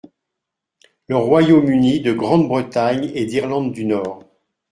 Le Royaume-Uni de Grande-Bretagne et d’Irlande du Nord.